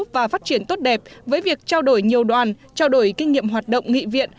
và phát triển tốt đẹp với việc trao đổi nhiều đoàn trao đổi kinh nghiệm hoạt động nghị viện